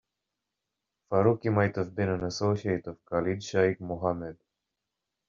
Farooqi might have been an associate of Khalid Shaikh Mohammed.